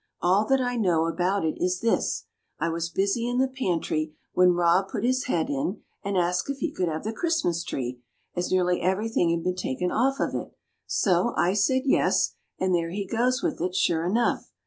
"All that I know about it is this: I was busy in the pantry, when Rob put his head in, and asked if he could have the Christmas tree, as nearly everything had been taken off of it; so I said 'Yes,' and there he goes with it, sure enough.